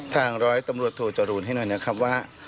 ร้อยตำรวจโทจรูนให้หน่อยนะครับว่า